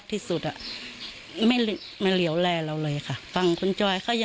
คุณแม่โดยไม่โทรมาหาฝ่ายชาย